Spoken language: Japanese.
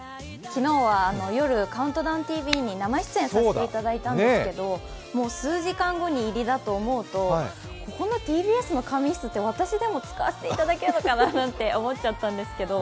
昨日は夜、「ＣＤＴＶ」に生出演させていただいたんですけど数時間後に入りだと思うとここのＴＢＳの仮眠室って私でも使わせていただけるのかなと思ったんですけど。